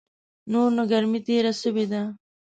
نور نو ګرمي تېره سوې ده .